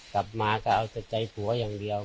กลับมาก็เอาแต่ใจผัวอย่างเดียว